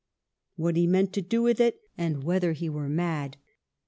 What he meant to do with it, and whether he were mad